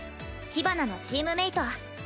ヒバナのチームメイト。